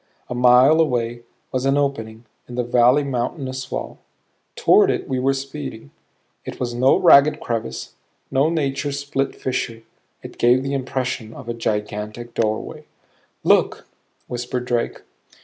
A mile away was an opening in the valley's mountainous wall; toward it we were speeding. It was no ragged crevice, no nature split fissure; it gave the impression of a gigantic doorway. "Look," whispered Drake.